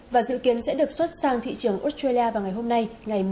và dự kiến sẽ được xuất sang thị trường australia vào ngày hôm nay